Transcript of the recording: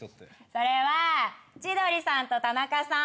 それは千鳥さんと田中さん。